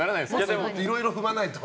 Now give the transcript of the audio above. もっといろいろ踏まないと。